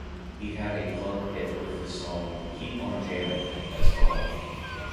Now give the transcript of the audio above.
He had a club hit with the song "Keep on Jammin'" as well.